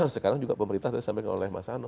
sekarang juga pemerintah sudah sampai mengolah masalah